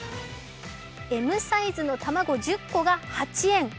Ｍサイズの卵１０個が８円。